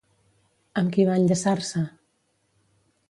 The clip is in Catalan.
Amb qui va enllaçar-se?